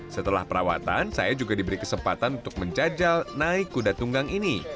setelah perawatan saya juga diberi kesempatan untuk menjajal naik kuda tunggang ini